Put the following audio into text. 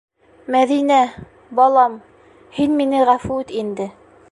Мәҙинә, балам, һин мине ғәфү ит инде.